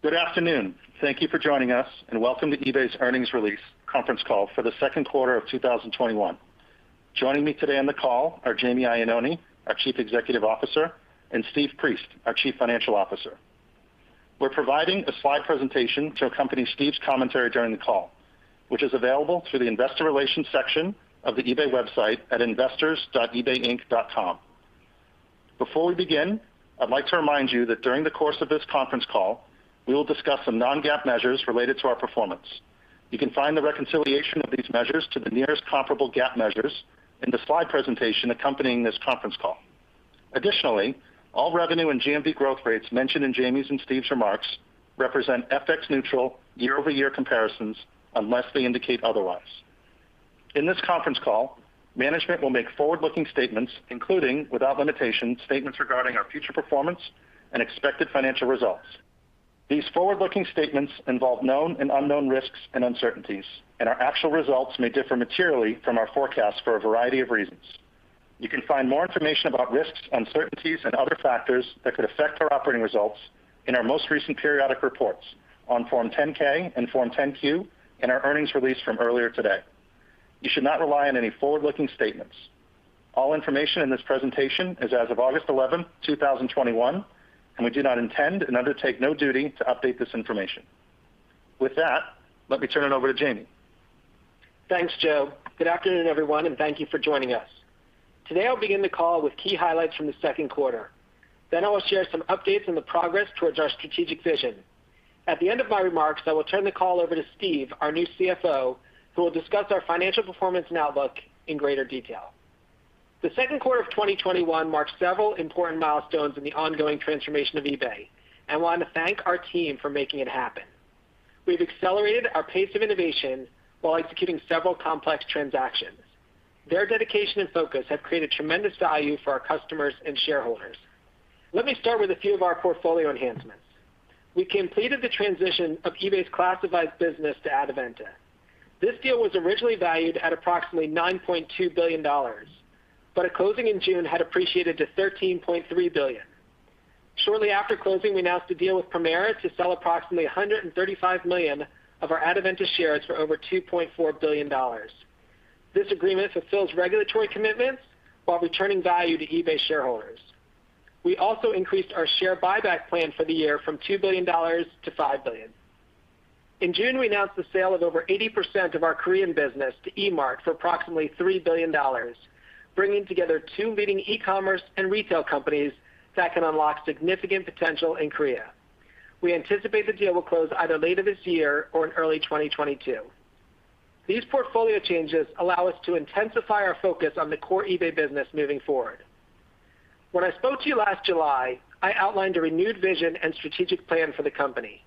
Good afternoon. Thank you for joining us, welcome to eBay's earnings release conference call for the second quarter of 2021. Joining me today on the call are Jamie Iannone, our Chief Executive Officer, Steve Priest, our Chief Financial Officer. We're providing a slide presentation to accompany Steve's commentary during the call, which is available through the investor relations section of the eBay website at investors.ebayinc.com. Before we begin, I'd like to remind you that during the course of this conference call, we will discuss some non-GAAP measures related to our performance. You can find the reconciliation of these measures to the nearest comparable GAAP measures in the slide presentation accompanying this conference call. All revenue and GMV growth rates mentioned in Jamie's and Steve's remarks represent FX neutral year-over-year comparisons unless they indicate otherwise. In this conference call, management will make forward-looking statements, including, without limitation, statements regarding our future performance and expected financial results. These forward-looking statements involve known and unknown risks and uncertainties, and our actual results may differ materially from our forecasts for a variety of reasons. You can find more information about risks, uncertainties, and other factors that could affect our operating results in our most recent periodic reports on Form 10-K and Form 10-Q and our earnings release from earlier today. You should not rely on any forward-looking statements. All information in this presentation is as of August 11, 2021, and we do not intend and undertake no duty to update this information. With that, let me turn it over to Jamie. Thanks, Joe. Good afternoon, everyone, thank you for joining us. Today I'll begin the call with key highlights from the second quarter. I will share some updates on the progress towards our strategic vision. At the end of my remarks, I will turn the call over to Steve, our new CFO, who will discuss our financial performance and outlook in greater detail. The second quarter of 2021 marked several important milestones in the ongoing transformation of eBay. I want to thank our team for making it happen. We've accelerated our pace of innovation while executing several complex transactions. Their dedication and focus have created tremendous value for our customers and shareholders. Let me start with a few of our portfolio enhancements. We completed the transition of eBay's classified business to Adevinta. This deal was originally valued at approximately $9.2 billion, but at closing in June had appreciated to $13.3 billion. Shortly after closing, we announced a deal with Permira to sell approximately 135 million of our Adevinta shares for over $2.4 billion. This agreement fulfills regulatory commitments while returning value to eBay shareholders. We also increased our share buyback plan for the year from $2 billion-$5 billion. In June, we announced the sale of over 80% of our Korean business to Emart for approximately $3 billion, bringing together two leading e-commerce and retail companies that can unlock significant potential in Korea. We anticipate the deal will close either later this year or in early 2022. These portfolio changes allow us to intensify our focus on the core eBay business moving forward. When I spoke to you last July, I outlined a renewed vision and strategic plan for the company.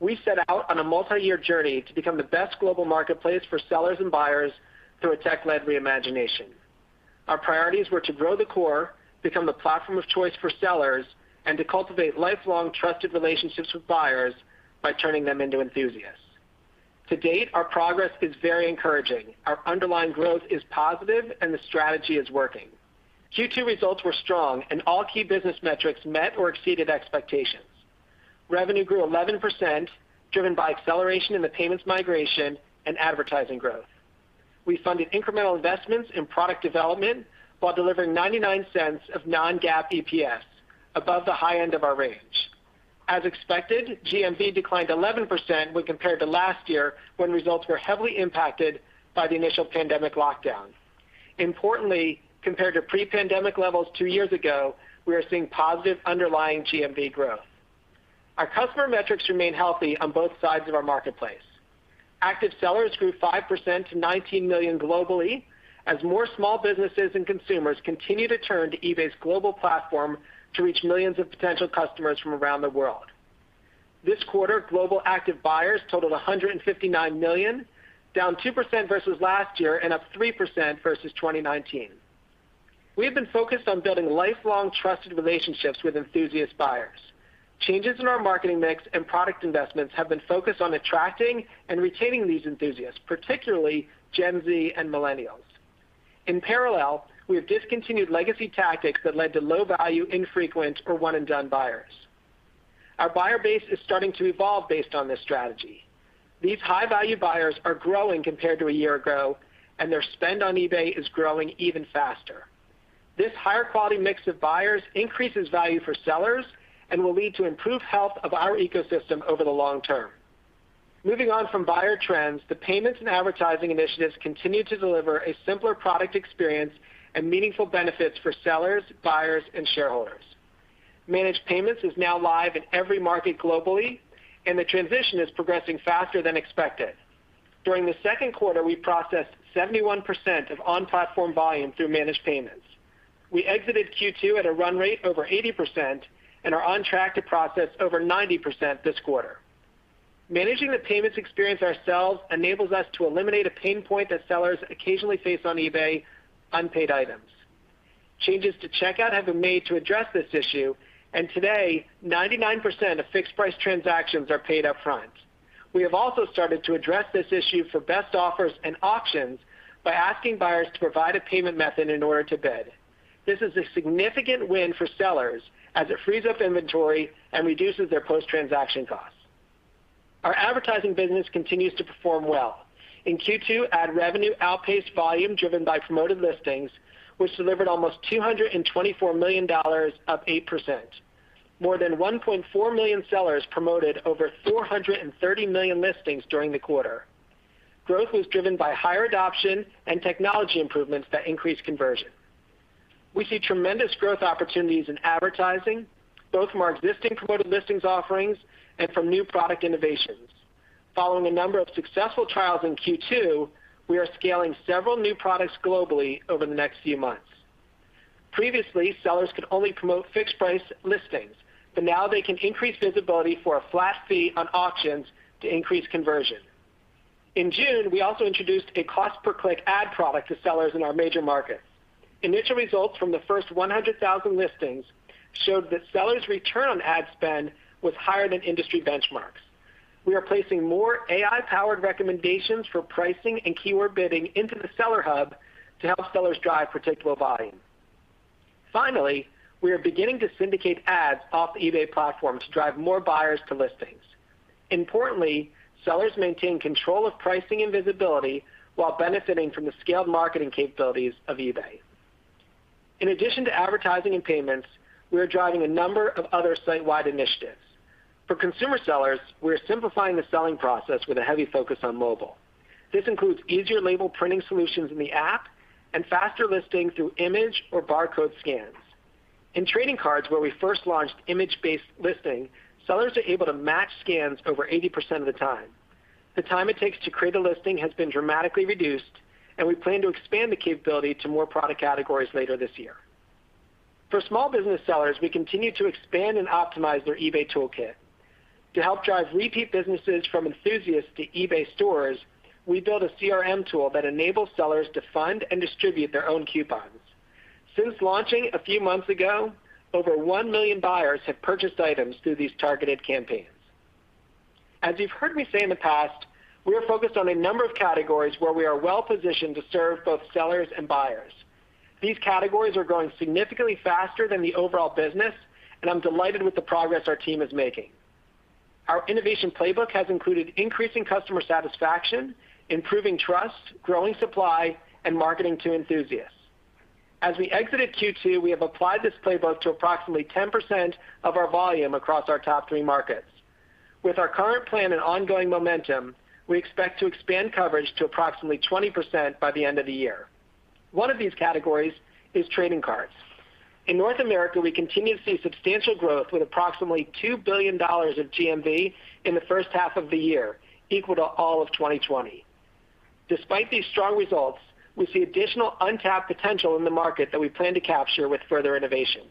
We set out on a multi-year journey to become the best global marketplace for sellers and buyers through a tech-led reimagination. Our priorities were to grow the core, become the platform of choice for sellers, and to cultivate lifelong trusted relationships with buyers by turning them into enthusiasts. To date, our progress is very encouraging. Our underlying growth is positive and the strategy is working. Q2 results were strong and all key business metrics met or exceeded expectations. Revenue grew 11%, driven by acceleration in the payments migration and advertising growth. We funded incremental investments in product development while delivering $0.99 of non-GAAP EPS above the high end of our range. As expected, GMV declined 11% when compared to last year, when results were heavily impacted by the initial pandemic lockdown. Importantly, compared to pre-pandemic levels two years ago, we are seeing positive underlying GMV growth. Our customer metrics remain healthy on both sides of our marketplace. Active sellers grew 5% to 19 million globally as more small businesses and consumers continue to turn to eBay's global platform to reach millions of potential customers from around the world. This quarter, global active buyers totaled 159 million, down 2% versus last year and up 3% versus 2019. We have been focused on building lifelong trusted relationships with enthusiast buyers. Changes in our marketing mix and product investments have been focused on attracting and retaining these enthusiasts, particularly Gen Z and millennials. In parallel, we have discontinued legacy tactics that led to low value, infrequent, or one-and-done buyers. Our buyer base is starting to evolve based on this strategy. These high-value buyers are growing compared to a year ago, and their spend on eBay is growing even faster. This higher quality mix of buyers increases value for sellers and will lead to improved health of our ecosystem over the long-term. Moving on from buyer trends, the payments and advertising initiatives continue to deliver a simpler product experience and meaningful benefits for sellers, buyers, and shareholders. Managed Payments is now live in every market globally, and the transition is progressing faster than expected. During the second quarter, we processed 71% of on-platform volume through Managed Payments. We exited Q2 at a run rate over 80% and are on track to process over 90% this quarter. Managing the payments experience ourselves enables us to eliminate a pain point that sellers occasionally face on eBay, unpaid items. Changes to checkout have been made to address this issue, and today, 99% of fixed price transactions are paid up front. We have also started to address this issue for Best Offer and auction by asking buyers to provide a payment method in order to bid. This is a significant win for sellers as it frees up inventory and reduces their post-transaction costs. Our Advertising business continues to perform well. In Q2, ad revenue outpaced volume driven by Promoted Listings, which delivered almost $224 million, up 8%. More than 1.4 million sellers promoted over 430 million listings during the quarter. Growth was driven by higher adoption and technology improvements that increased conversion. We see tremendous growth opportunities in advertising, both from our existing Promoted Listings offerings and from new product innovations. Following a number of successful trials in Q2, we are scaling several new products globally over the next few months. Previously, sellers could only promote fixed price listings, but now they can increase visibility for a flat fee on auctions to increase conversion. In June, we also introduced a cost per click ad product to sellers in our major markets. Initial results from the first 100,000 listings showed that sellers' return on ad spend was higher than industry benchmarks. We are placing more AI-powered recommendations for pricing and keyword bidding into the Seller Hub to help sellers drive predictable volume. Finally, we are beginning to syndicate ads off the eBay platform to drive more buyers to listings. Importantly, sellers maintain control of pricing and visibility while benefiting from the scaled marketing capabilities of eBay. In addition to advertising and payments, we are driving a number of other site-wide initiatives. For consumer sellers, we are simplifying the selling process with a heavy focus on mobile. This includes easier label printing solutions in the app and faster listing through image or barcode scans. In trading cards, where we first launched image-based listing, sellers are able to match scans over 80% of the time. The time it takes to create a listing has been dramatically reduced, and we plan to expand the capability to more product categories later this year. For small business sellers, we continue to expand and optimize their eBay toolkit. To help drive repeat businesses from enthusiasts to eBay Stores, we built a CRM tool that enables sellers to fund and distribute their own coupons. Since launching a few months ago, over 1 million buyers have purchased items through these targeted campaigns. As you've heard me say in the past, we are focused on a number of categories where we are well-positioned to serve both sellers and buyers. These categories are growing significantly faster than the overall business. I'm delighted with the progress our team is making. Our innovation playbook has included increasing customer satisfaction, improving trust, growing supply, and marketing to enthusiasts. As we exited Q2, we have applied this playbook to approximately 10% of our volume across our top three markets. With our current plan and ongoing momentum, we expect to expand coverage to approximately 20% by the end of the year. One of these categories is trading cards. In North America, we continue to see substantial growth with approximately $2 billion of GMV in the first half of the year, equal to all of 2020. Despite these strong results, we see additional untapped potential in the market that we plan to capture with further innovation.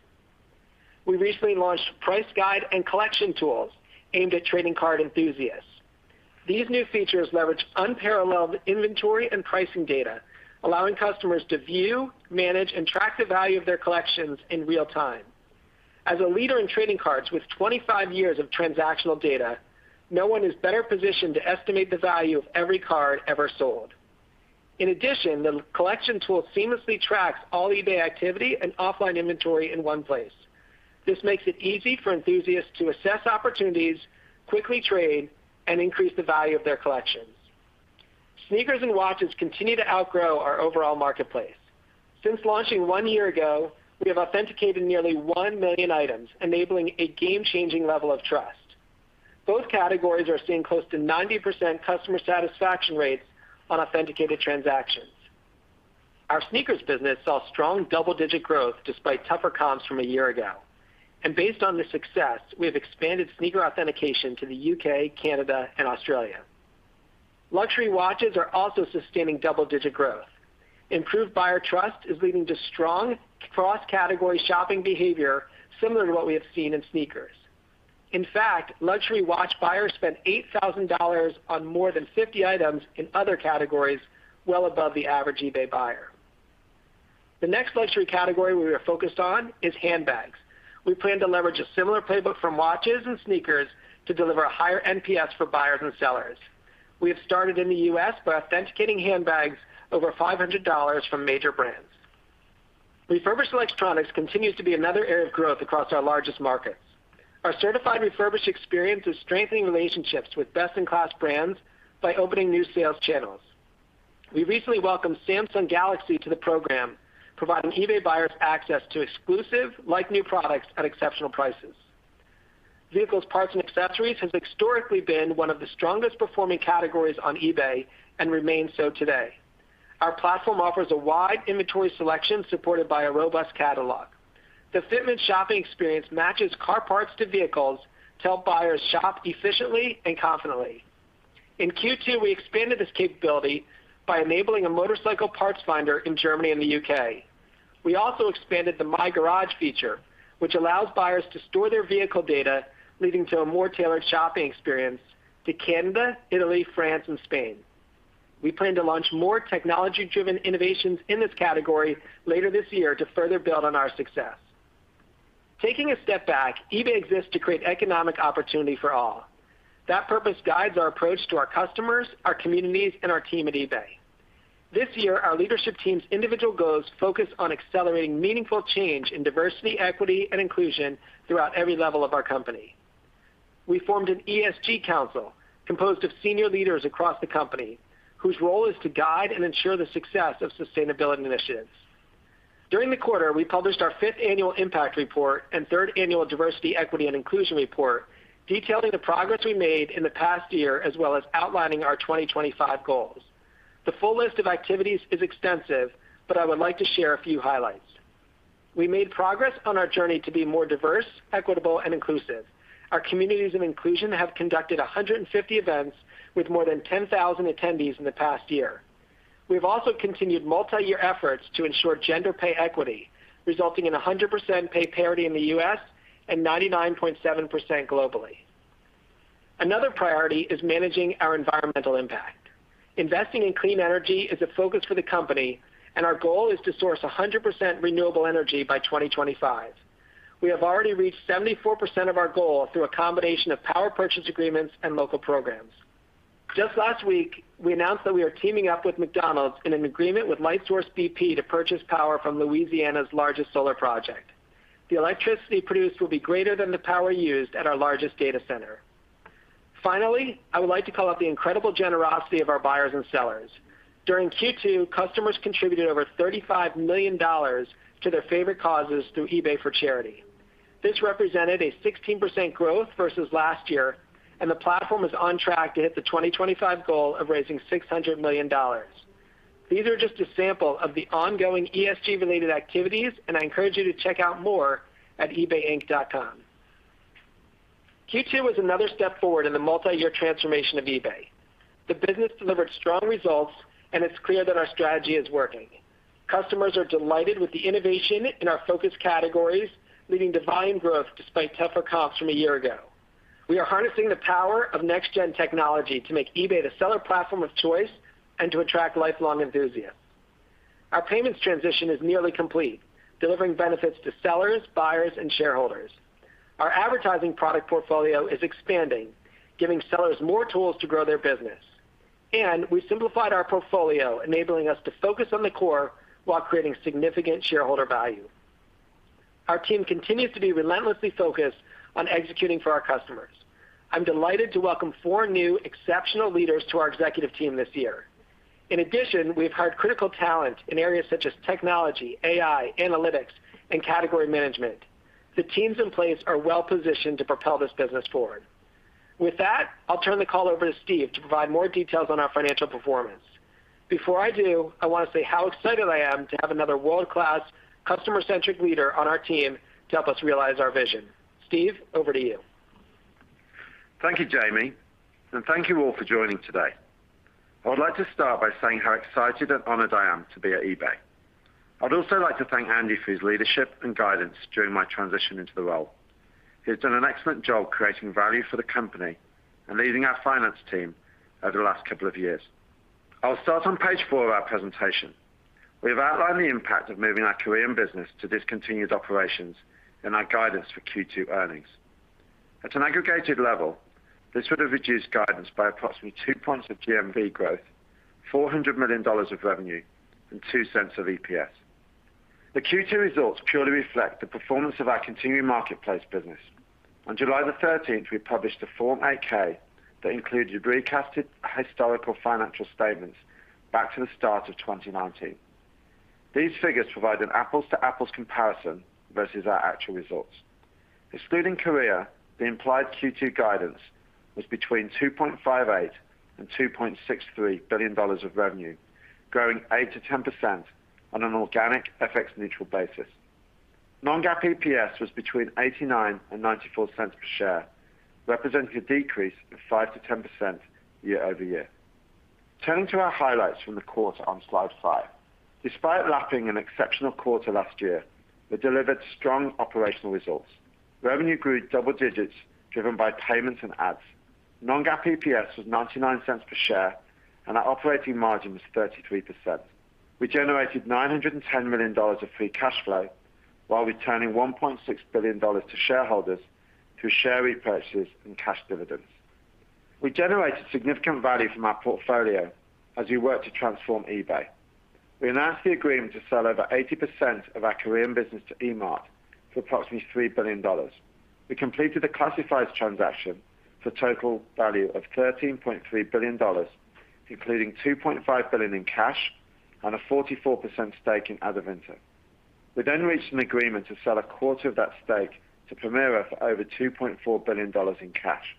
We recently launched Price Guide and Collection tools aimed at trading card enthusiasts. These new features leverage unparalleled inventory and pricing data, allowing customers to view, manage, and track the value of their collections in real time. As a leader in trading cards with 25 years of transactional data, no one is better positioned to estimate the value of every card ever sold. In addition, the Collection tool seamlessly tracks all eBay activity and offline inventory in one place. This makes it easy for enthusiasts to assess opportunities, quickly trade, and increase the value of their collections. Sneakers and watches continue to outgrow our overall marketplace. Since launching one year ago, we have authenticated nearly 1 million items, enabling a game-changing level of trust. Both categories are seeing close to 90% customer satisfaction rates on authenticated transactions. Our sneakers business saw strong double-digit growth despite tougher comps from a year ago. Based on this success, we have expanded sneaker authentication to the U.K., Canada, and Australia. Luxury watches are also sustaining double-digit growth. Improved buyer trust is leading to strong cross-category shopping behavior similar to what we have seen in sneakers. In fact, luxury watch buyers spent $8,000 on more than 50 items in other categories, well above the average eBay buyer. The next luxury category we are focused on is handbags. We plan to leverage a similar playbook from watches and sneakers to deliver higher NPS for buyers and sellers. We have started in the U.S. by authenticating handbags over $500 from major brands. Refurbished electronics continues to be another area of growth across our largest markets. Our Certified Refurbished experience is strengthening relationships with best-in-class brands by opening new sales channels. We recently welcomed Samsung Galaxy to the program, providing eBay buyers access to exclusive, like-new products at exceptional prices. Vehicles, parts, and accessories has historically been one of the strongest performing categories on eBay and remains so today. Our platform offers a wide inventory selection supported by a robust catalog. The fitment shopping experience matches car parts to vehicles to help buyers shop efficiently and confidently. In Q2, we expanded this capability by enabling a motorcycle parts finder in Germany and the U.K. We also expanded the My Garage feature, which allows buyers to store their vehicle data, leading to a more tailored shopping experience to Canada, Italy, France, and Spain. We plan to launch more technology-driven innovations in this category later this year to further build on our success. Taking a step back, eBay exists to create economic opportunity for all. That purpose guides our approach to our customers, our communities, and our team at eBay. This year, our leadership team's individual goals focus on accelerating meaningful change in diversity, equity, and inclusion throughout every level of our company. We formed an ESG council composed of senior leaders across the company, whose role is to guide and ensure the success of sustainability initiatives. During the quarter, we published our fifth annual Impact Report and third annual Diversity, Equity, and Inclusion Report, detailing the progress we made in the past year, as well as outlining our 2025 goals. The full list of activities is extensive. I would like to share a few highlights. We made progress on our journey to be more diverse, equitable, and inclusive. Our Communities of Inclusion have conducted 150 events with more than 10,000 attendees in the past year. We've also continued multi-year efforts to ensure gender pay equity, resulting in 100% pay parity in the U.S. and 99.7% globally. Another priority is managing our environmental impact. Investing in clean energy is a focus for the company, and our goal is to source 100% renewable energy by 2025. We have already reached 74% of our goal through a combination of power purchase agreements and local programs. Just last week, we announced that we are teaming up with McDonald's in an agreement with Lightsource bp to purchase power from Louisiana's largest solar project. The electricity produced will be greater than the power used at our largest data center. Finally, I would like to call out the incredible generosity of our buyers and sellers. During Q2, customers contributed over $35 million to their favorite causes through eBay for Charity. This represented a 16% growth versus last year, and the platform is on track to hit the 2025 goal of raising $600 million. These are just a sample of the ongoing ESG-related activities, and I encourage you to check out more at ebayinc.com. Q2 was another step forward in the multi-year transformation of eBay. The business delivered strong results. It's clear that our strategy is working. Customers are delighted with the innovation in our focus categories, leading to volume growth despite tougher comps from a year ago. We are harnessing the power of next-gen technology to make eBay the seller platform of choice and to attract lifelong enthusiasts. Our payments transition is nearly complete, delivering benefits to sellers, buyers, and shareholders. Our advertising product portfolio is expanding, giving sellers more tools to grow their business. We simplified our portfolio, enabling us to focus on the core while creating significant shareholder value. Our team continues to be relentlessly focused on executing for our customers. I'm delighted to welcome four new exceptional leaders to our executive team this year. In addition, we've hired critical talent in areas such as technology, AI, analytics, and category management. The teams in place are well-positioned to propel this business forward. With that, I'll turn the call over to Steve to provide more details on our financial performance. Before I do, I want to say how excited I am to have another world-class customer-centric leader on our team to help us realize our vision. Steve, over to you. Thank you, Jamie, and thank you all for joining today. I would like to start by saying how excited and honored I am to be at eBay. I'd also like to thank Andy for his leadership and guidance during my transition into the role. He's done an excellent job creating value for the company and leading our finance team over the last couple of years. I'll start on Page four of our presentation. We have outlined the impact of moving our Korean business to discontinued operations in our guidance for Q2 earnings. At an aggregated level, this would have reduced guidance by approximately 2 points of GMV growth, $400 million of revenue, and $0.02 of EPS. The Q2 results purely reflect the performance of our continuing marketplace business. On July 13th, we published a Form 8-K that included recasted historical financial statements back to the start of 2019. These figures provide an apples to apples comparison versus our actual results. Excluding Korea, the implied Q2 guidance was between $2.58 billion and $2.63 billion of revenue, growing 8%-10% on an organic FX neutral basis. non-GAAP EPS was between $0.89 and $0.94 per share, representing a decrease of 5%-10% year-over-year. Turning to our highlights from the quarter on Slide five. Despite lapping an exceptional quarter last year, we delivered strong operational results. Revenue grew double-digits driven by payments and ads. non-GAAP EPS was $0.99 per share, and our operating margin was 33%. We generated $910 million of free cash flow while returning $1.6 billion to shareholders through share repurchases and cash dividends. We generated significant value from our portfolio as we work to transform eBay. We announced the agreement to sell over 80% of our Korean business to Emart for approximately $3 billion. We completed the classifieds transaction for a total value of $13.3 billion, including $2.5 billion in cash and a 44% stake in Adevinta. We reached an agreement to sell a quarter of that stake to Permira for over $2.4 billion in cash.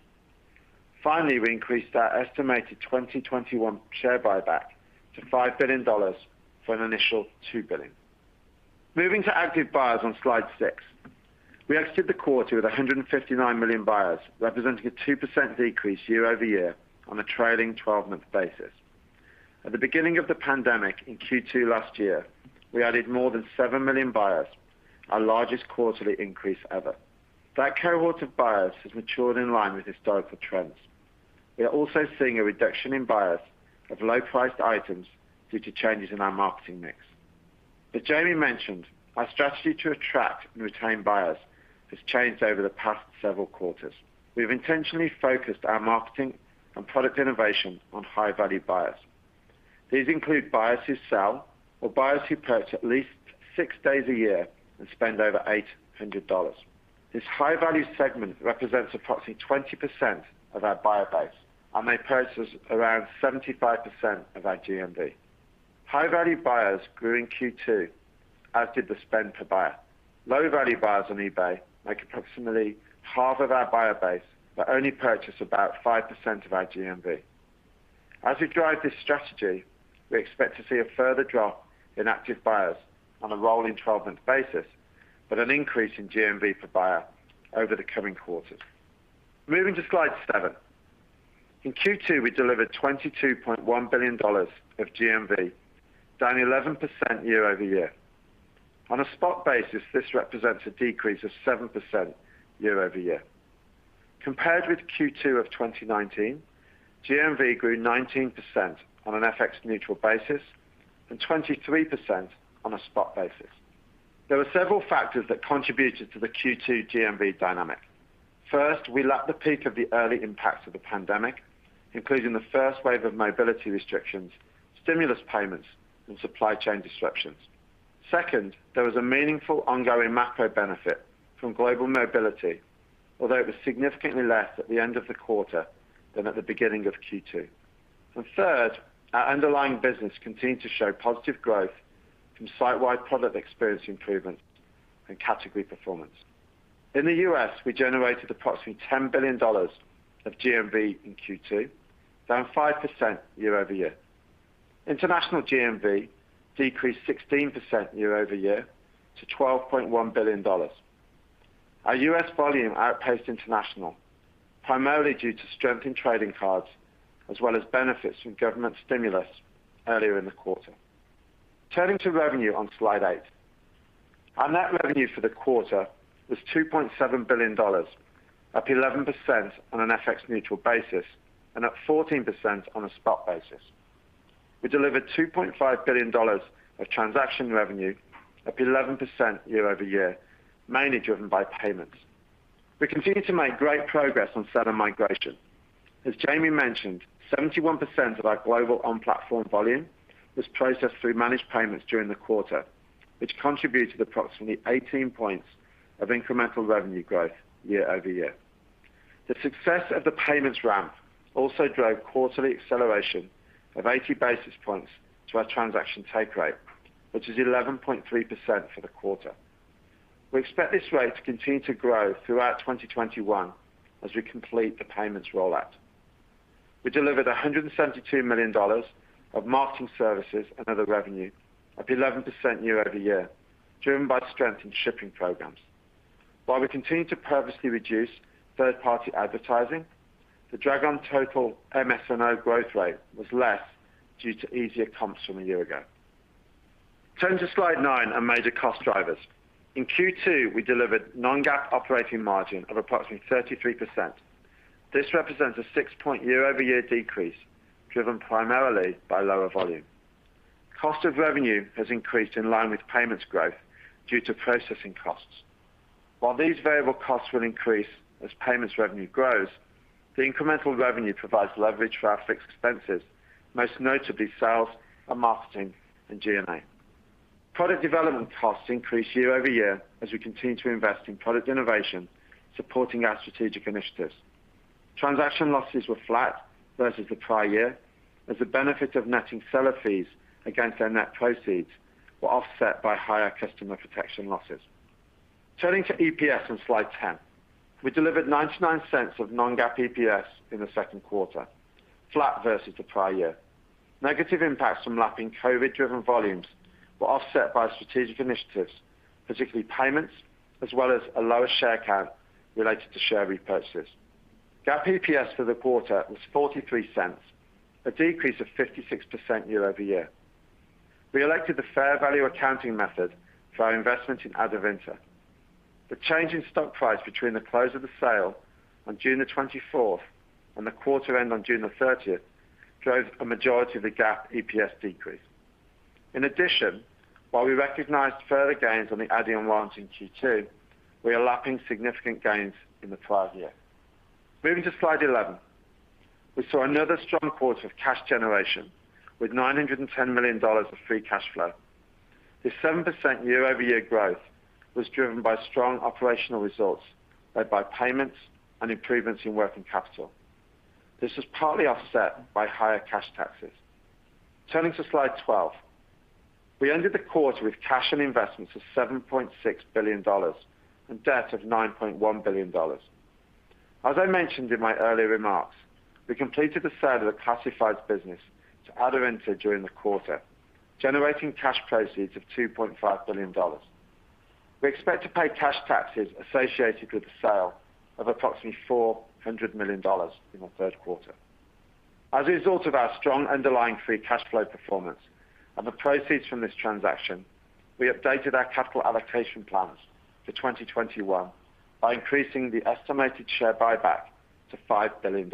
Finally, we increased our estimated 2021 share buyback to $5 billion from an initial $2 billion. Moving to active buyers on Slide six. We exited the quarter with 159 million buyers, representing a 2% decrease year-over-year on a trailing 12-month basis. At the beginning of the pandemic in Q2 last year, we added more than 7 million buyers, our largest quarterly increase ever. That cohort of buyers has matured in line with historical trends. We are also seeing a reduction in buyers of low priced items due to changes in our marketing mix. As Jamie mentioned, our strategy to attract and retain buyers has changed over the past several quarters. We have intentionally focused our marketing and product innovation on high value buyers. These include buyers who sell or buyers who purchase at least six days a year and spend over $800. This high value segment represents approximately 20% of our buyer base, and they purchase around 75% of our GMV. High value buyers grew in Q2, as did the spend per buyer. Low value buyers on eBay make approximately half of our buyer base, but only purchase about 5% of our GMV. As we drive this strategy, we expect to see a further drop in active buyers on a rolling 12-month basis, but an increase in GMV per buyer over the coming quarters. Moving to Slide seven. In Q2, we delivered $22.1 billion of GMV, down 11% year-over-year. On a spot basis, this represents a decrease of 7% year-over-year. Compared with Q2 of 2019, GMV grew 19% on an FX neutral basis and 23% on a spot basis. There were several factors that contributed to the Q2 GMV dynamic. First, we lapped the peak of the early impacts of the pandemic, including the first wave of mobility restrictions, stimulus payments, and supply chain disruptions. Second, there was a meaningful ongoing macro benefit from global mobility, although it was significantly less at the end of the quarter than at the beginning of Q2. Third, our underlying business continued to show positive growth from site-wide product experience improvements and category performance. In the U.S., we generated approximately $10 billion of GMV in Q2, down 5% year-over-year. International GMV decreased 16% year-over-year to $12.1 billion. Our U.S. volume outpaced international, primarily due to strength in trading cards as well as benefits from government stimulus earlier in the quarter. Turning to revenue on Slide eight. Our net revenue for the quarter was $2.7 billion, up 11% on an FX neutral basis and up 14% on a spot basis. We delivered $2.5 billion of transaction revenue, up 11% year-over-year, mainly driven by payments. We continue to make great progress on seller migration. As Jamie mentioned, 71% of our global on-platform volume was processed through Managed Payments during the quarter, which contributed approximately 18 points of incremental revenue growth year-over-year. The success of the payments ramp also drove quarterly acceleration of 80 basis points to our transaction take rate, which is 11.3% for the quarter. We expect this rate to continue to grow throughout 2021 as we complete the payments rollout. We delivered $172 million of marketing services and other revenue, up 11% year-over-year, driven by strength in shipping programs. While we continue to purposely reduce third-party advertising, the drag on total MS&O growth rate was less due to easier comps from a year ago. Turning to Slide nine on major cost drivers. In Q2, we delivered non-GAAP operating margin of approximately 33%. This represents a 6-point year-over-year decrease, driven primarily by lower volume. Cost of revenue has increased in line with payments growth due to processing costs. While these variable costs will increase as payments revenue grows, the incremental revenue provides leverage for our fixed expenses, most notably sales and marketing and G&A. Product development costs increased year-over-year as we continue to invest in product innovation supporting our strategic initiatives. Transaction losses were flat versus the prior year as the benefit of netting seller fees against their net proceeds were offset by higher customer protection losses. Turning to EPS on Slide 10. We delivered $0.99 of non-GAAP EPS in the second quarter, flat versus the prior year. Negative impacts from lapping COVID driven volumes were offset by strategic initiatives, particularly payments, as well as a lower share count related to share repurchases. GAAP EPS for the quarter was $0.43, a decrease of 56% year-over-year. We elected the fair value accounting method for our investment in Adevinta. The change in stock price between the close of the sale on June 24th and the quarter end on June 30th drove a majority of the GAAP EPS decrease. In addition, while we recognized further gains on the Adyen launch in Q2, we are lapping significant gains in the prior year. Moving to Slide 11. We saw another strong quarter of cash generation with $910 million of free cash flow. This 7% year-over-year growth was driven by strong operational results led by payments and improvements in working capital. This was partly offset by higher cash taxes. Turning to Slide 12. We ended the quarter with cash and investments of $7.6 billion and debt of $9.1 billion. As I mentioned in my earlier remarks, we completed the sale of the Classifieds business to Adevinta during the quarter, generating cash proceeds of $2.5 billion. We expect to pay cash taxes associated with the sale of approximately $400 million in the third quarter. As a result of our strong underlying free cash flow performance and the proceeds from this transaction, we updated our capital allocation plans to 2021 by increasing the estimated share buyback to $5 billion.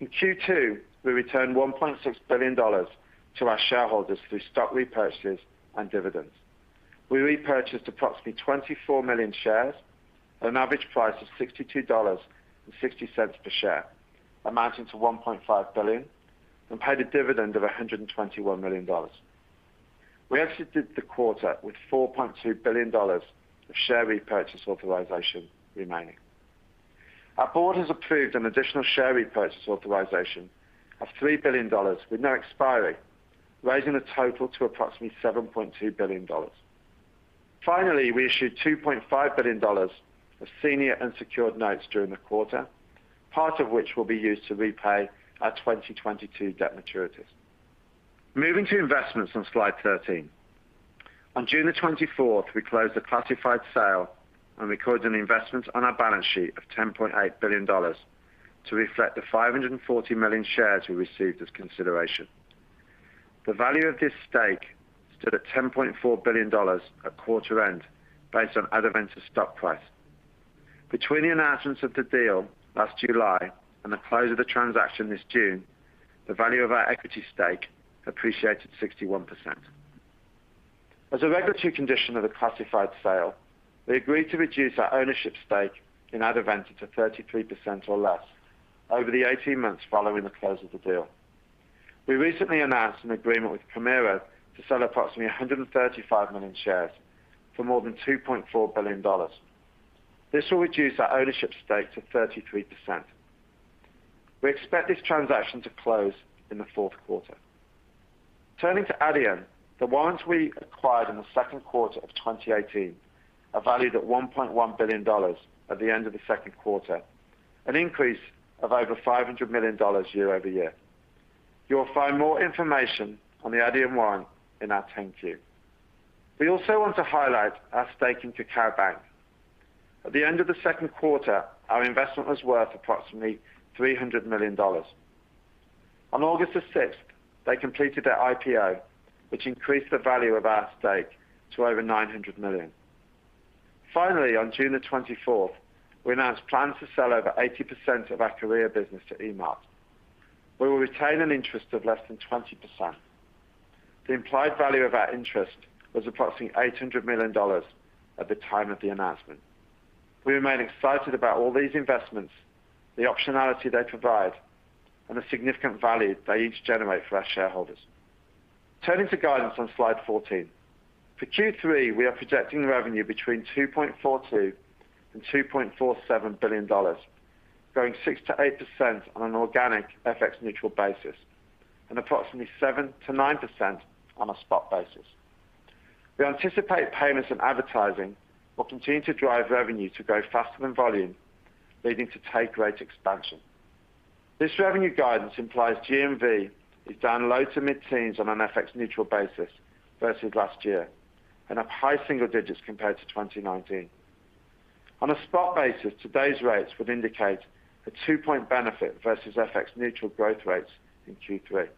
In Q2, we returned $1.6 billion to our shareholders through stock repurchases and dividends. We repurchased approximately 24 million shares at an average price of $62.60 per share, amounting to $1.5 billion, and paid a dividend of $121 million. We exited the quarter with $4.2 billion of share repurchase authorization remaining. Our Board has approved an additional share repurchase authorization of $3 billion with no expiry, raising the total to approximately $7.2 billion. Finally, we issued $2.5 billion of senior unsecured notes during the quarter, part of which will be used to repay our 2022 debt maturities. Moving to investments on Slide 13. On June 24, we closed the classified sale and recorded an investment on our balance sheet of $10.8 billion to reflect the 540 million shares we received as consideration. The value of this stake stood at $10.4 billion at quarter-end based on Adevinta's stock price. Between the announcement of the deal last July and the close of the transaction this June, the value of our equity stake appreciated 61%. As a regulatory condition of the classified sale, we agreed to reduce our ownership stake in Adevinta to 33% or less over the 18 months following the close of the deal. We recently announced an agreement with Permira to sell approximately 135 million shares for more than $2.4 billion. This will reduce our ownership stake to 33%. We expect this transaction to close in the fourth quarter. Turning to Adyen, the warrants we acquired in the second quarter of 2018 are valued at $1.1 billion at the end of the second quarter, an increase of over $500 million year-over-year. You will find more information on the Adyen warrant in our 10-Q. We also want to highlight our stake in KakaoBank. At the end of the second quarter, our investment was worth approximately $300 million. On August 6th, they completed their IPO, which increased the value of our stake to over $900 million. Finally, on June 24th, we announced plans to sell over 80% of our Korean business to Emart. We will retain an interest of less than 20%. The implied value of our interest was approximately $800 million at the time of the announcement. We remain excited about all these investments, the optionality they provide, and the significant value they each generate for our shareholders. Turning to guidance on slide 14. For Q3, we are projecting revenue between $2.42 billion and $2.47 billion, growing 6%-8% on an organic FX neutral basis, and approximately 7%-9% on a spot basis. We anticipate payments and advertising will continue to drive revenue to grow faster than volume, leading to take rate expansion. This revenue guidance implies GMV is down low to mid-teens on an FX neutral basis versus last year and up high single-digits compared to 2019. On a spot basis, today's rates would indicate a 2-point benefit versus FX neutral growth rates in Q3.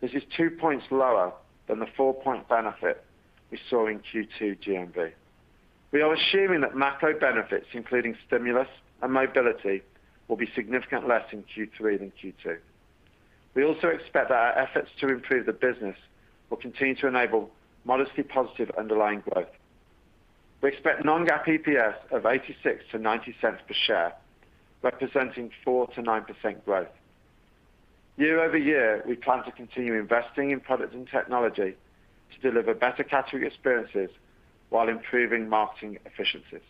This is 2 points lower than the 4-point benefit we saw in Q2 GMV. We are assuming that macro benefits, including stimulus and mobility, will be significantly less in Q3 than Q2. We also expect that our efforts to improve the business will continue to enable modestly positive underlying growth. We expect non-GAAP EPS of $0.86-$0.90 per share, representing 4%-9% growth. Year-over-year, we plan to continue investing in product and technology to deliver better category experiences while improving marketing efficiencies.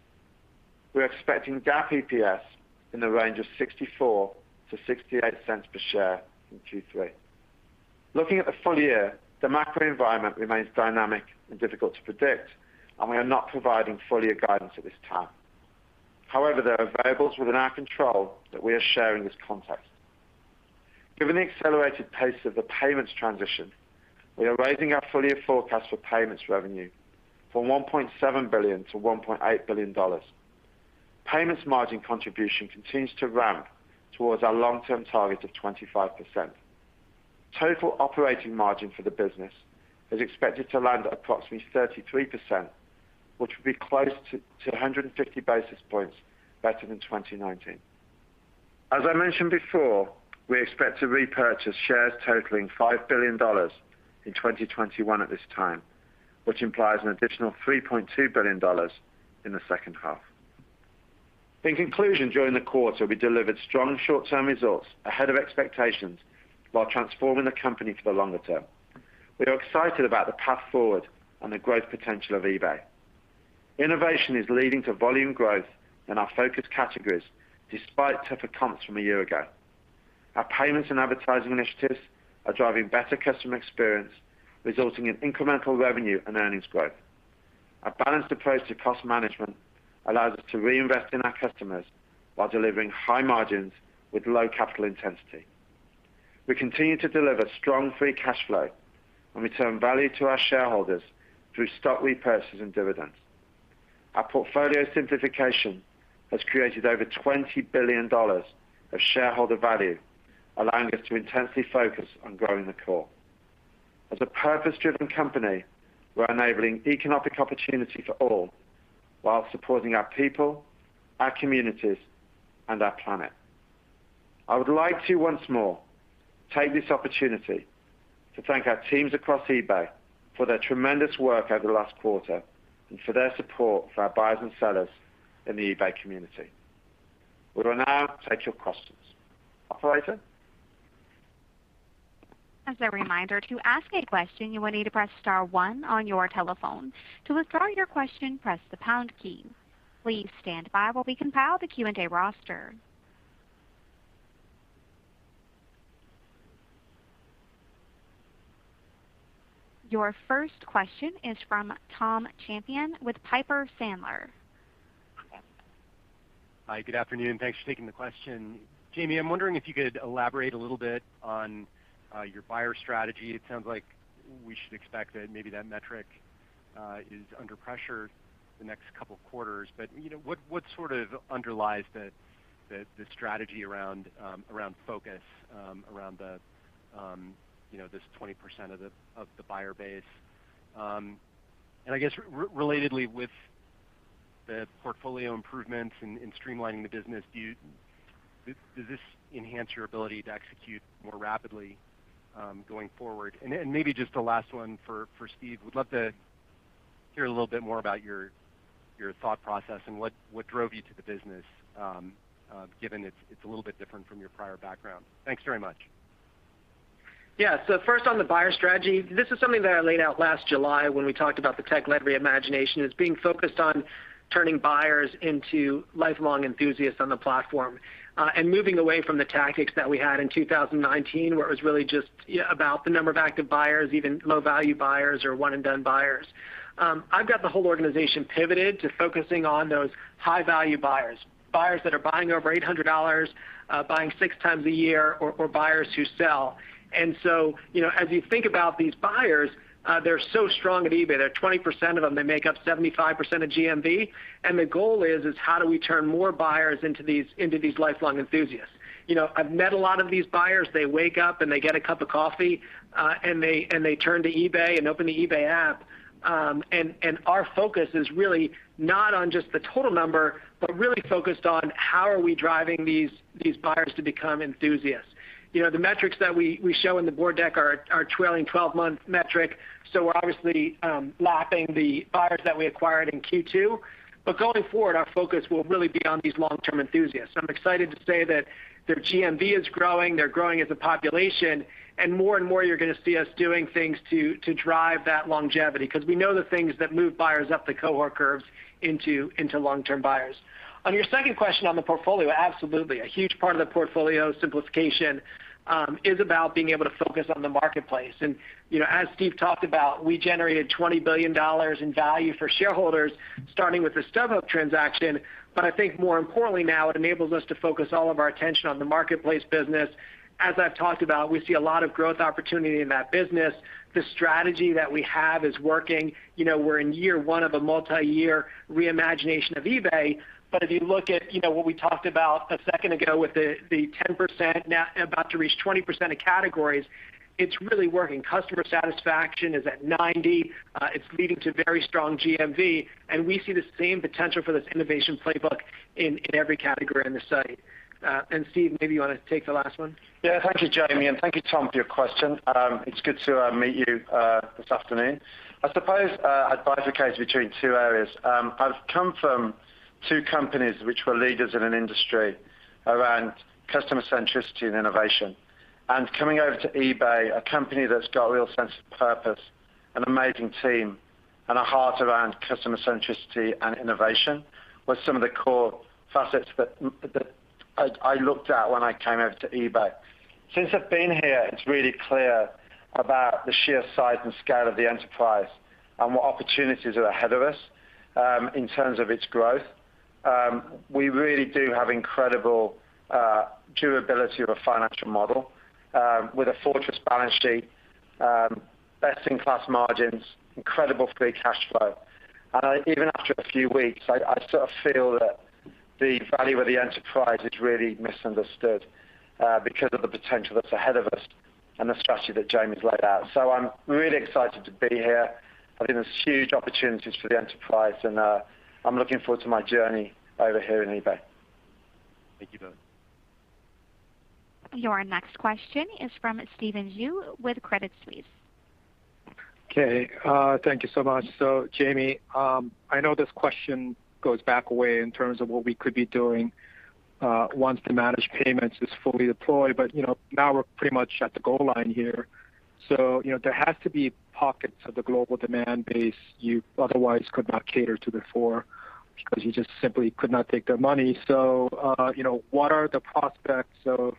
We're expecting GAAP EPS in the range of $0.64-$0.68 per share in Q3. Looking at the full-year, the macro environment remains dynamic and difficult to predict, we are not providing full-year guidance at this time. However, there are variables within our control that we are sharing this context. Given the accelerated pace of the payments transition, we are raising our full-year forecast for payments revenue from $1.7 billion-$1.8 billion. Payments margin contribution continues to ramp towards our long-term target of 25%. Total operating margin for the business is expected to land at approximately 33%, which will be close to 150 basis points better than 2019. As I mentioned before, we expect to repurchase shares totaling $5 billion in 2021 at this time, which implies an additional $3.2 billion in the second half. In conclusion, during the quarter, we delivered strong short-term results ahead of expectations while transforming the company for the longer-term. We are excited about the path forward and the growth potential of eBay. Innovation is leading to volume growth in our focus categories despite tougher comps from a year ago. Our payments and advertising initiatives are driving better customer experience, resulting in incremental revenue and earnings growth. Our balanced approach to cost management allows us to reinvest in our customers while delivering high margins with low capital intensity. We continue to deliver strong free cash flow, and we return value to our shareholders through stock repurchases and dividends. Our portfolio simplification has created over $20 billion of shareholder value, allowing us to intensely focus on growing the core. As a purpose-driven company, we're enabling economic opportunity for all, while supporting our people, our communities, and our planet. I would like to once more take this opportunity to thank our teams across eBay for their tremendous work over the last quarter and for their support for our buyers and sellers in the eBay community. We will now take your questions. Operator? As a remind to ask a question you will need to press star one on your telephone. To withdraw your question press the pound key. Please standby while we compile the Q&A roster. Your first question is from Tom Champion with Piper Sandler. Hi, good afternoon, and thanks for taking the question. Jamie, I'm wondering if you could elaborate a little bit on your buyer strategy. It sounds like we should expect that maybe that metric is under pressure the next couple quarters. You know, what sort of underlies the strategy around focus, around the, you know, this 20% of the buyer base? I guess re-relatedly with the portfolio improvements and streamlining the business, does this enhance your ability to execute more rapidly going forward? Maybe just a last one for Steve. Would love to hear a little bit more about your thought process and what drove you to the business, given it's a little bit different from your prior background. Thanks very much. Yeah. First on the buyer strategy, this is something that I laid out last July when we talked about the tech-led reimagination, is being focused on turning buyers into lifelong enthusiasts on the platform, and moving away from the tactics that we had in 2019, where it was really just about the number of active buyers, even low-value buyers or one-and-done buyers. I've got the whole organization pivoted to focusing on those high-value buyers that are buying over $800, buying 6x a year or buyers who sell. You know, as you think about these buyers, they're so strong at eBay. There are 20% of them, they make up 75% of GMV, and the goal is how do we turn more buyers into these lifelong enthusiasts? You know, I've met a lot of these buyers. They wake up, and they get a cup of coffee, and they turn to eBay and open the eBay app. Our focus is really not on just the total number, but really focused on how are we driving these buyers to become enthusiasts. You know, the metrics that we show in the Board deck are trailing 12-month metric, so we're obviously, lapping the buyers that we acquired in Q2. Going forward, our focus will really be on these long-term enthusiasts. I'm excited to say that their GMV is growing, they're growing as a population, and more and more you're gonna see us doing things to drive that longevity, 'cause we know the things that move buyers up the cohort curves into long-term buyers. On your second question on the portfolio, absolutely. A huge part of the portfolio simplification is about being able to focus on the marketplace. You know, as Steve talked about, we generated $20 billion in value for shareholders, starting with the StubHub transaction. I think more importantly now, it enables us to focus all of our attention on the marketplace business. As I've talked about, we see a lot of growth opportunity in that business. The strategy that we have is working. You know, we're in year 1 of a multiyear reimagination of eBay. If you look at, you know, what we talked about a second ago with the 10% now about to reach 20% of categories, it's really working. Customer satisfaction is at 90. It's leading to very strong GMV, and we see the same potential for this innovation playbook in every category in the site. Steve, maybe you wanna take the last one? Thank you, Jamie, and thank you, Tom, for your question. It's good to meet you this afternoon. I suppose I'd bifurcate between two areas. I've come from two companies which were leaders in an industry around customer centricity and innovation. Coming over to eBay, a company that's got a real sense of purpose, an amazing team, and a heart around customer centricity and innovation, was some of the core facets that I looked at when I came over to eBay. Since I've been here, it's really clear about the sheer size and scale of the enterprise and what opportunities are ahead of us in terms of its growth. We really do have incredible durability of a financial model with a fortress balance sheet, best-in-class margins, incredible free cash flow. I, even after a few weeks, I sort of feel that the value of the enterprise is really misunderstood because of the potential that's ahead of us and the strategy that Jamie's laid out. I'm really excited to be here. I think there's huge opportunities for the enterprise, and I'm looking forward to my journey over here in eBay. Thank you both. Your next question is from Stephen Ju with Credit Suisse. Okay. Thank you so much. Jamie, I know this question goes back a way in terms of what we could be doing once the Managed Payments is fully deployed, but, you know, now we're pretty much at the goal line here. You know, there has to be pockets of the global demand base you otherwise could not cater to before because you just simply could not take their money. You know, what are the prospects of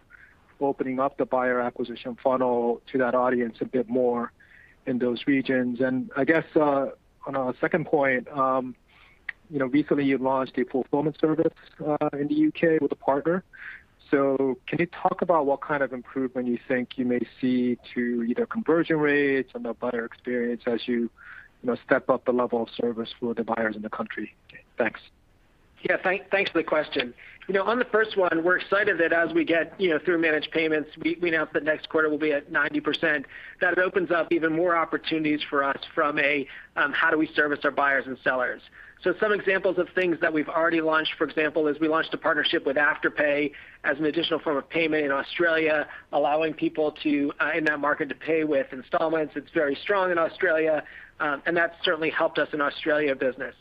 opening up the buyer acquisition funnel to that audience a bit more in those regions? I guess, on a second point, you know, recently you launched a fulfillment service, in the U.K. with a partner. Can you talk about what kind of improvement you think you may see to either conversion rates and a better experience as you know, step up the level of service for the buyers in the country? Thanks. Thanks for the question. You know, on the first one, we're excited that as we get, you know, through Managed Payments, we announced that next quarter will be at 90%. That opens up even more opportunities for us from a, how do we service our buyers and sellers. Some examples of things that we've already launched, for example, is we launched a partnership with Afterpay as an additional form of payment in Australia, allowing people to in that market to pay with installments. It's very strong in Australia, and that's certainly helped us in Australia business.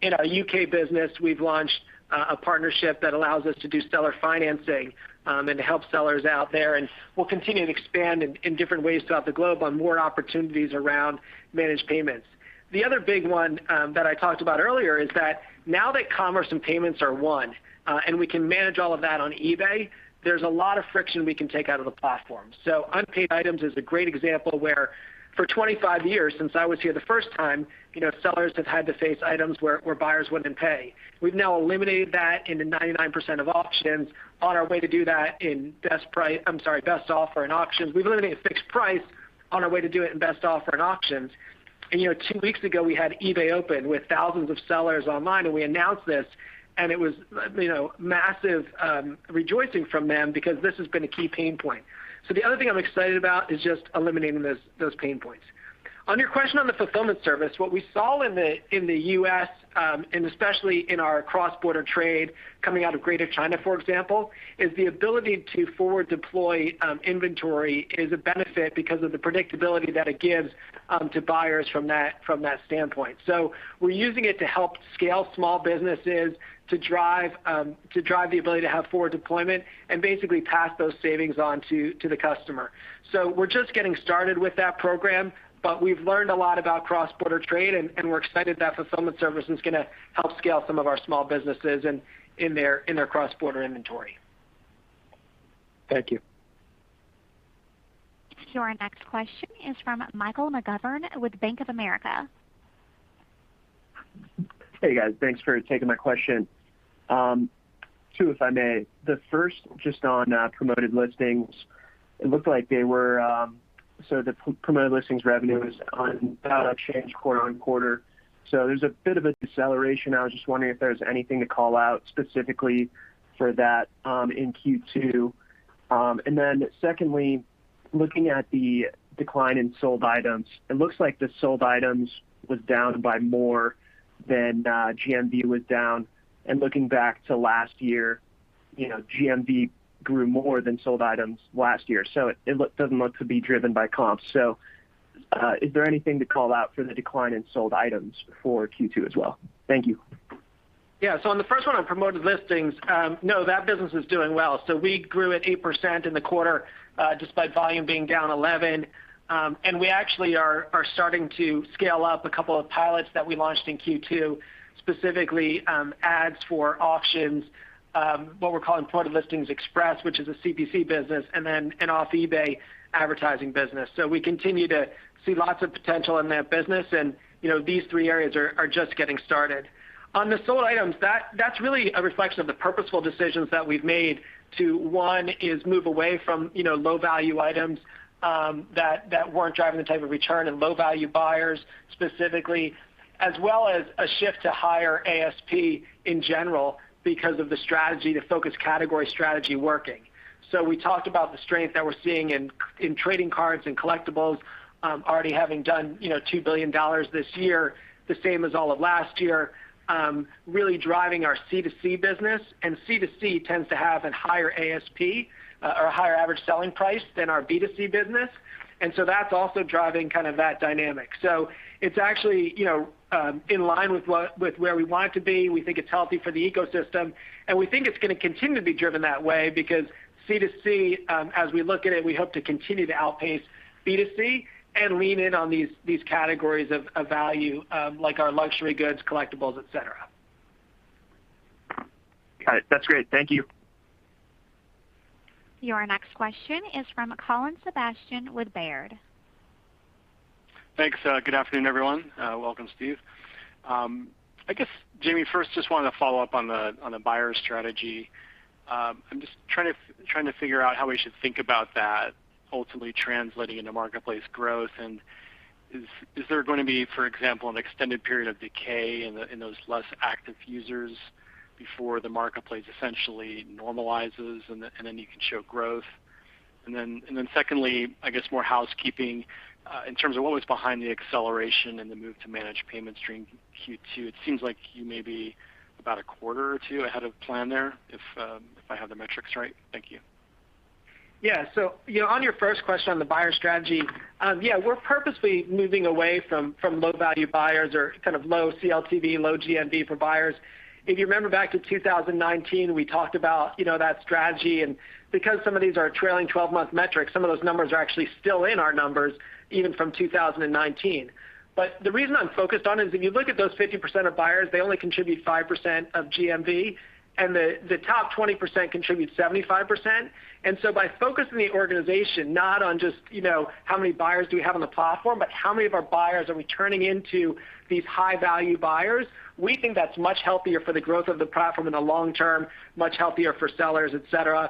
In our U.K. business, we've launched a partnership that allows us to do seller financing, and to help sellers out there, and we'll continue to expand in different ways throughout the globe on more opportunities around Managed Payments. The other big one that I talked about earlier is that now that commerce and payments are one, and we can manage all of that on eBay, there's a lot of friction we can take out of the platform. Unpaid items is a great example where for 25 years since I was here the first time, you know, sellers have had to face items where buyers wouldn't pay. We've now eliminated that in the 99% of auctions, on our way to do that in Best Offer and auction. We've eliminated fixed price, on our way to do it in Best Offer and auctions. Two weeks ago, we had eBay Open with thousands of sellers online, and we announced this, and it was, you know, massive rejoicing from them because this has been a key pain point. The other thing I'm excited about is just eliminating those pain points. On your question on the fulfillment service, what we saw in the U.S., and especially in our cross-border trade coming out of Greater China, for example, is the ability to forward deploy inventory is a benefit because of the predictability that it gives to buyers from that standpoint. We're using it to help scale small businesses to drive the ability to have forward deployment and basically pass those savings on to the customer. We're just getting started with that program, but we've learned a lot about cross-border trade, and we're excited that fulfillment service is gonna help scale some of our small businesses in their cross-border inventory. Thank you. Our next question is from Michael McGovern with Bank of America. Hey, guys. Thanks for taking my question. Two, if I may. The first just on Promoted Listings. It looked like they were unchanged quarter-on-quarter. There's a bit of a deceleration. I was just wondering if there's anything to call out specifically for that in Q2. Secondly, looking at the decline in sold items, it looks like the sold items was down by more than GMV was down. Looking back to last year, you know, GMV grew more than sold items last year. It doesn't look to be driven by comps. Is there anything to call out for the decline in sold items for Q2 as well? Thank you. Yeah. On the first one on Promoted Listings, no, that business is doing well. We grew at 8% in the quarter, despite volume being down 11. And we actually are starting to scale up a couple of pilots that we launched in Q2, specifically, ads for auctions, what we're calling Promoted Listings Express, which is a CPC business, and then an off-eBay advertising business. We continue to see lots of potential in that business and, you know, these three areas are just getting started. On the sold items, that's really a reflection of the purposeful decisions that we've made to, one, is move away from, you know, low-value items that weren't driving the type of return and low-value buyers specifically, as well as a shift to higher ASP in general because of the strategy, the focus category strategy working. We talked about the strength that we're seeing in trading cards and collectibles, already having done, you know, $2 billion this year, the same as all of last year, really driving our C2C business. C2C tends to have an higher ASP, or a higher average selling price than our B2C business. That's also driving kind of that dynamic. It's actually, you know, in line with where we want it to be. We think it's healthy for the ecosystem, and we think it's gonna continue to be driven that way because C2C, as we look at it, we hope to continue to outpace B2C and lean in on these categories of value, like our luxury goods, collectibles, et cetera. Got it. That's great. Thank you. Your next question is from Colin Sebastian with Baird. Thanks. Good afternoon, everyone. Welcome, Steve. I guess, Jamie, first, just wanted to follow up on the buyer strategy. I'm just trying to figure out how we should think about that ultimately translating into marketplace growth. Is there gonna be, for example, an extended period of decay in those less active users before the marketplace essentially normalizes and then you can show growth? Then secondly, I guess more housekeeping, in terms of what was behind the acceleration and the move to Managed Payments during Q2. It seems like you may be about a quarter or two ahead of plan there, if I have the metrics right. Thank you. Yeah. you know, on your first question on the buyer strategy, yeah, we're purposely moving away from low-value buyers or kind of low CLTV, low GMV for buyers. If you remember back to 2019, we talked about, you know, that strategy. Because some of these are trailing 12-month metrics, some of those numbers are actually still in our numbers, even from 2019. The reason I'm focused on is if you look at those 50% of buyers, they only contribute 5% of GMV, and the top 20% contribute 75%. By focusing the organization not on just, you know, how many buyers do we have on the platform, but how many of our buyers are we turning into these high value buyers, we think that's much healthier for the growth of the platform in the long-term, much healthier for sellers, et cetera.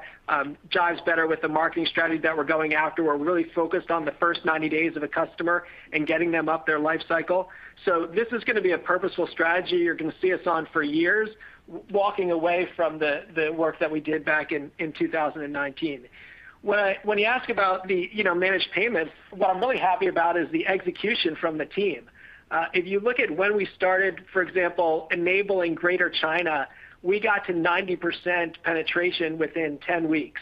Jives better with the marketing strategy that we're going after. We're really focused on the first 90 days of a customer and getting them up their life cycle. This is gonna be a purposeful strategy you're gonna see us on for years, walking away from the work that we did back in 2019. When you ask about the, you know, Managed Payments, what I'm really happy about is the execution from the team. If you look at when we started, for example, enabling Greater China, we got to 90% penetration within 10 weeks.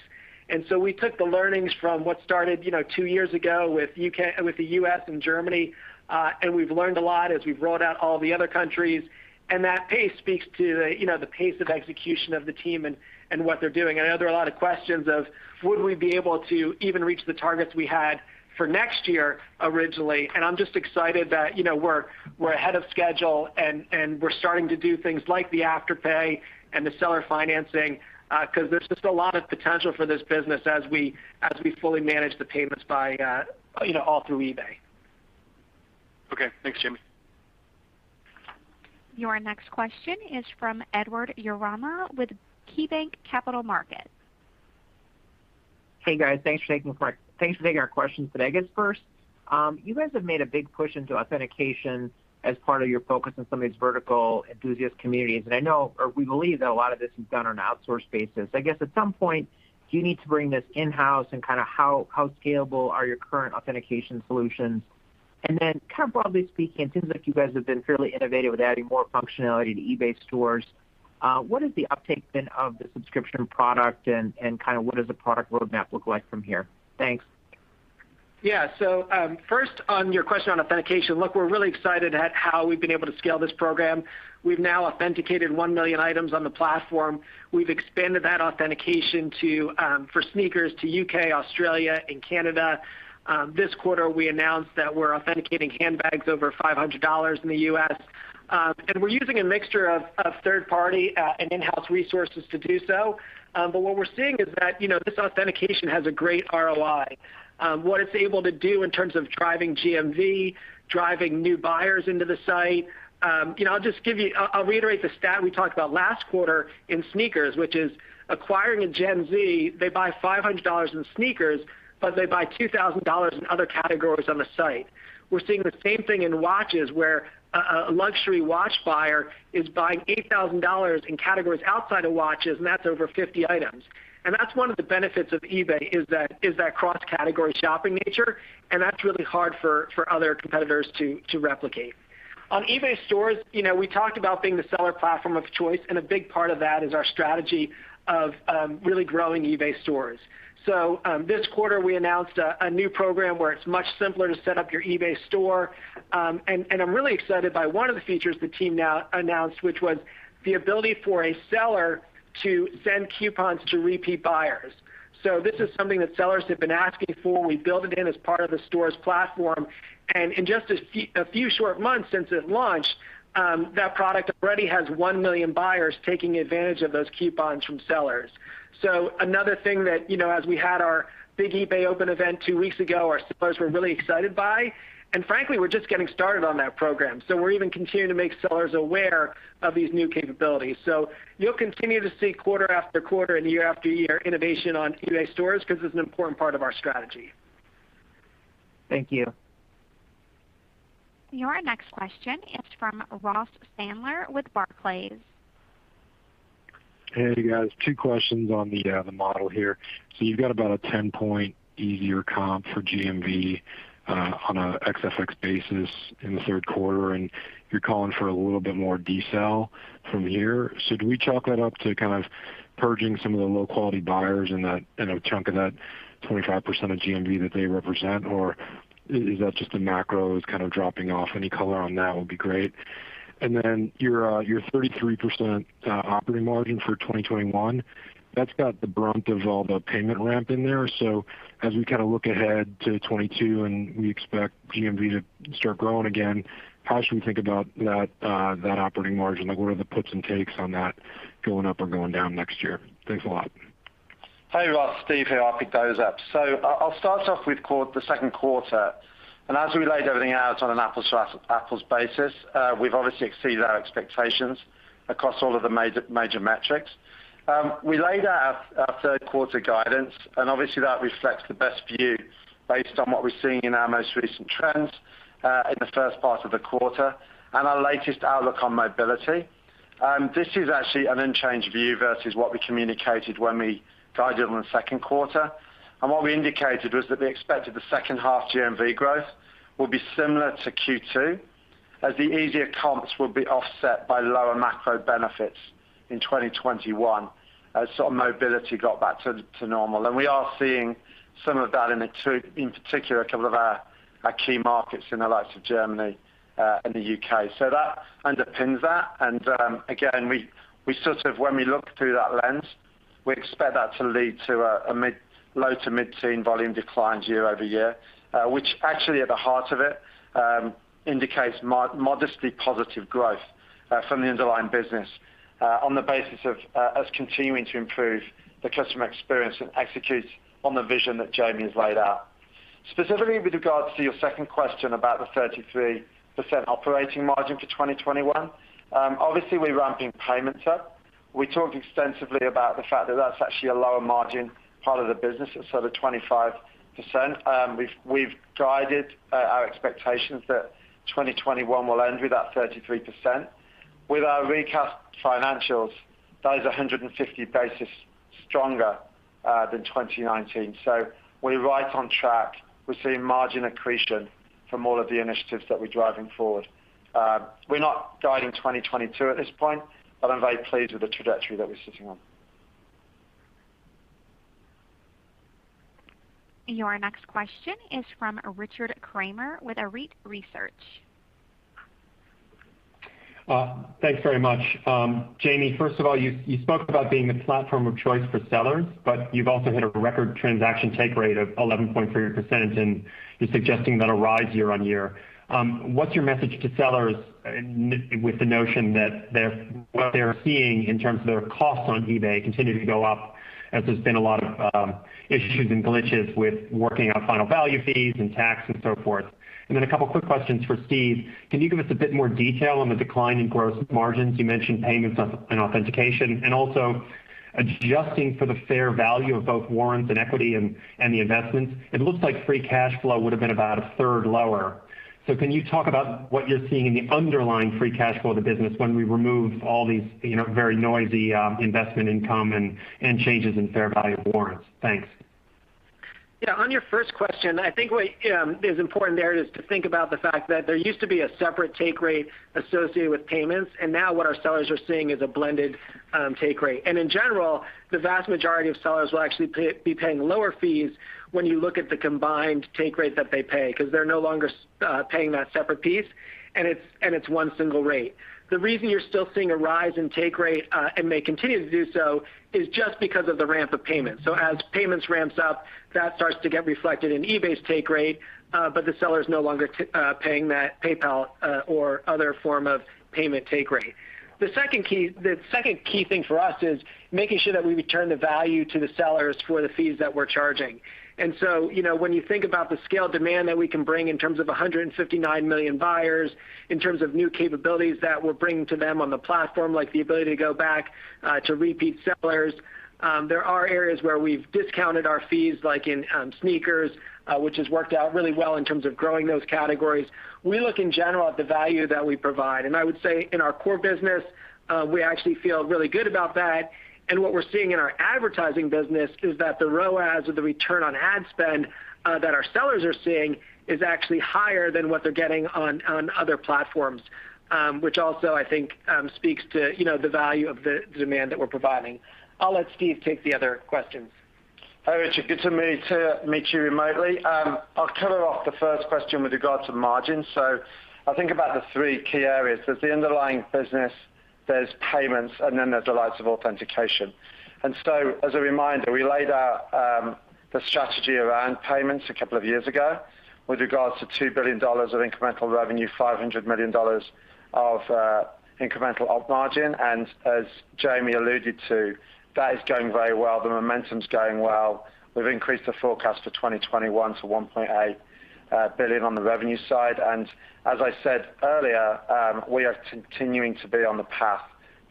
We took the learnings from what started, you know, two years ago with the U.S. and Germany, and we've learned a lot as we've rolled out all the other countries. That pace speaks to the, you know, the pace of execution of the team and what they're doing. I know there are a lot of questions of would we be able to even reach the targets we had for next year originally. I'm just excited that, you know, we're ahead of schedule and we're starting to do things like the Afterpay and the seller financing, because there's just a lot of potential for this business as we, as we fully manage the payments by, you know, all through eBay. Okay. Thanks, Jamie. Your next question is from Edward Yruma with KeyBanc Capital Markets. Hey, guys. Thanks for taking our questions today. I guess first, you guys have made a big push into authentication as part of your focus on some of these vertical enthusiast communities. I know or we believe that a lot of this is done on an outsource basis. I guess at some point, do you need to bring this in-house and kinda how scalable are your current authentication solutions? Kind of broadly speaking, it seems like you guys have been fairly innovative with adding more functionality to eBay Stores. What has the uptake been of the subscription product and kinda what does the product roadmap look like from here? Thanks. Yeah. First on your question on authentication, look, we're really excited at how we've been able to scale this program. We've now authenticated 1 million items on the platform. We've expanded that authentication to for sneakers to U.K., Australia, and Canada. This quarter, we announced that we're authenticating handbags over $500 in the U.S. And we're using a mixture of third party and in-house resources to do so. What we're seeing is that, you know, this authentication has a great ROI. What it's able to do in terms of driving GMV, driving new buyers into the site. You know, I'll reiterate the stat we talked about last quarter in sneakers, which is acquiring a Gen Z, they buy $500 in sneakers, but they buy $2,000 in other categories on the site. We're seeing the same thing in watches where a luxury watch buyer is buying $8,000 in categories outside of watches, and that's over 50 items. That's one of the benefits of eBay, is that cross-category shopping nature, and that's really hard for other competitors to replicate. On eBay Stores, you know, we talked about being the seller platform of choice, and a big part of that is our strategy of really growing eBay Stores. This quarter, we announced a new program where it's much simpler to set up your eBay store. I'm really excited by one of the features the team now announced, which was the ability for a seller to send coupons to repeat buyers. This is something that sellers have been asking for. We built it in as part of the Stores platform. In just a few short months since it launched, that product already has 1 million buyers taking advantage of those coupons from sellers. Another thing that, you know, as we had our big eBay Open event two weeks ago, our sellers were really excited by, and frankly, we're just getting started on that program. We're even continuing to make sellers aware of these new capabilities. You'll continue to see quarter after quarter and year after year innovation on eBay Stores because it's an important part of our strategy. Thank you. Your next question is from Ross Sandler with Barclays. Hey, you guys. 2 questions on the model here. You've got about a 10-point easier comp for GMV on a ex-FX basis in the third quarter, and you're calling for a little bit more decel from here. Do we chalk that up to kind of purging some of the low quality buyers and that, and a chunk of that 25% of GMV that they represent? Or is that just the macros kind of dropping off? Any color on that would be great. Your 33% operating margin for 2021, that's got the brunt of all the payment ramp in there. As we kind of look ahead to 2022 and we expect GMV to start growing again, how should we think about that operating margin? Like, what are the puts and takes on that going up or going down next year? Thanks a lot. Hey, Ross. Steve here. I'll pick those up. I'll start off with the second quarter. As we laid everything out on an apples to apples basis, we've obviously exceeded our expectations across all of the major metrics. We laid out our third quarter guidance, obviously that reflects the best view based on what we're seeing in our most recent trends in the first part of the quarter and our latest outlook on mobility. This is actually an unchanged view versus what we communicated when we guided on the second quarter. What we indicated was that we expected the second half GMV growth will be similar to Q2, as the easier comps will be offset by lower macro benefits in 2021 as sort of mobility got back to normal. We are seeing some of that in particular, a couple of our key markets in the likes of Germany and the U.K. That underpins that. Again, we sort of when we look through that lens, we'd expect that to lead to a low to mid-teen volume decline year-over-year, which actually at the heart of it indicates modestly positive growth from the underlying business on the basis of us continuing to improve the customer experience and execute on the vision that Jamie has laid out. Specifically with regards to your second question about the 33% operating margin for 2021, obviously we're ramping payments up. We talked extensively about the fact that that's actually a lower margin part of the business. It's sort of 25%. We've guided our expectations that 2021 will end with that 33%. With our recast financials, that is a 150 basis stronger than 2019. We're right on track. We're seeing margin accretion from all of the initiatives that we're driving forward. We're not guiding 2022 at this point, but I'm very pleased with the trajectory that we're sitting on. Your next question is from Richard Kramer with Arete Research. Thanks very much. Jamie, first of all, you spoke about being the platform of choice for sellers, but you've also hit a record transaction take rate of 11.3%, and you're suggesting that'll rise year-on-year. What's your message to sellers with the notion that what they're seeing in terms of their costs on eBay continue to go up as there's been a lot of issues and glitches with working out final value fees and tax and so forth? Then a couple quick questions for Steve. Can you give us a bit more detail on the decline in gross margins? You mentioned payments and authentication, and also adjusting for the fair value of both warrants and equity and the investments. It looks like free cash flow would've been about a third lower. Can you talk about what you're seeing in the underlying free cash flow of the business when we remove all these, you know, very noisy, investment income and changes in fair value of warrants? Thanks. Yeah, on your first question, I think what is important there is to think about the fact that there used to be a separate take rate associated with payments, and now what our sellers are seeing is a blended take rate. In general, the vast majority of sellers will actually be paying lower fees when you look at the combined take rate that they pay, because they're no longer paying that separate piece, and it's one single rate. The reason you're still seeing a rise in take rate and may continue to do so is just because of the ramp of payments. As payments ramps up, that starts to get reflected in eBay's take rate, but the seller is no longer paying that PayPal or other form of payment take rate. The second key thing for us is making sure that we return the value to the sellers for the fees that we're charging. You know, when you think about the scale demand that we can bring in terms of 159 million buyers, in terms of new capabilities that we're bringing to them on the platform, like the ability to go back to repeat sellers, there are areas where we've discounted our fees, like in sneakers, which has worked out really well in terms of growing those categories. We look in general at the value that we provide, I would say in our core business, we actually feel really good about that. What we're seeing in our advertising business is that the ROAS or the return on ad spend that our sellers are seeing is actually higher than what they're getting on other platforms, which also I think speaks to, you know, the value of the demand that we're providing. I'll let Steve take the other questions. Hi, Richard, good to meet you remotely. I'll cover off the first question with regards to margins. I think about the three key areas. There's the underlying business, there's payments, and then there's the likes of authentication. As a reminder, we laid out the strategy around payments a couple of years ago with regards to $2 billion of incremental revenue, $500 million of incremental op margin. As Jamie alluded to, that is going very well. The momentum's going well. We've increased the forecast for 2021 to $1.8 billion on the revenue side. As I said earlier, we are continuing to be on the path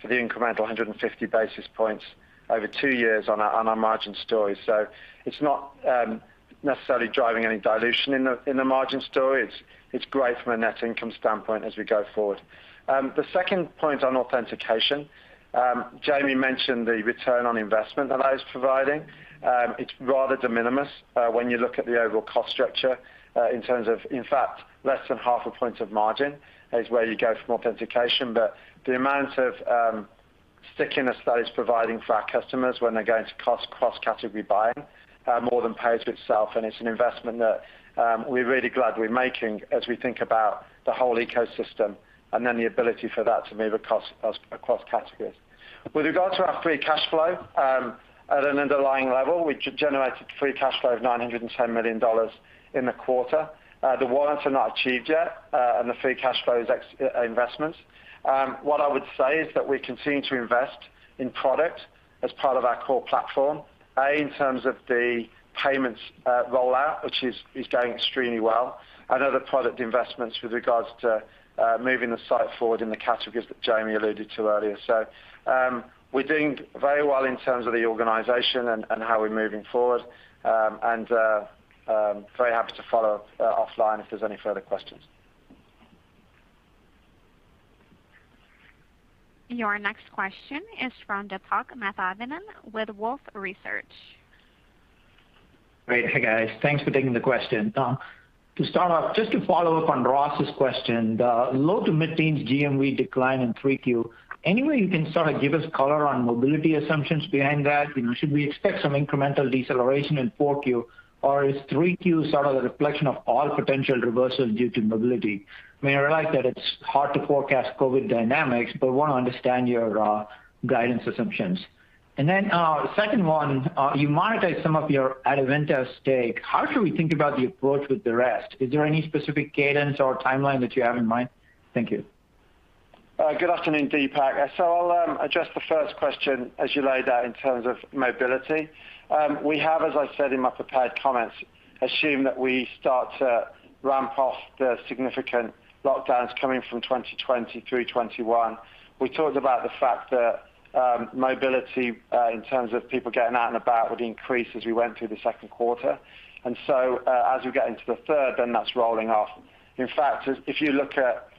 for the incremental 150 basis points over two years on our margin story. It's not necessarily driving any dilution in the margin story. It's great from a net income standpoint as we go forward. The second point on authentication, Jamie mentioned the return on investment that that is providing. It's rather de minimis when you look at the overall cost structure, in terms of, in fact, less than 0.5 point of margin is where you go from authentication. The amount of stickiness that is providing for our customers when they're going to cost cross-category buying, more than pays for itself, and it's an investment that we're really glad we're making as we think about the whole ecosystem and then the ability for that to move across categories. With regards to our free cash flow, at an underlying level, we generated free cash flow of $910 million in the quarter. The warrants are not achieved yet, and the free cash flow is ex-investments. What I would say is that we continue to invest in product as part of our core platform. In terms of the payments rollout, which is going extremely well, and other product investments with regards to moving the site forward in the categories that Jamie alluded to earlier. We're doing very well in terms of the organization and how we're moving forward. Very happy to follow up offline if there's any further questions. Your next question is from Deepak Mathivanan with Wolfe Research. Great. Hey, guys. Thanks for taking the question. To start off, just to follow up on Ross's question, the low to mid-teens GMV decline in 3Q. Any way you can sort of give us color on mobility assumptions behind that? You know, should we expect some incremental deceleration in 4Q, or is 3Q sort of the reflection of all potential reversals due to mobility? I mean, I realize that it's hard to forecast COVID dynamics, wanna understand your guidance assumptions. Second one, you monetized some of your Adevinta stake. How should we think about the approach with the rest? Is there any specific cadence or timeline that you have in mind? Thank you. Good afternoon, Deepak. I'll address the first question as you laid out in terms of mobility. We have, as I said in my prepared comments, assume that we start to ramp off the significant lockdowns coming from 2020 through 2021. We talked about the fact that mobility in terms of people getting out and about would increase as we went through the second quarter. As we get into the third, that's rolling off. In fact, if you look at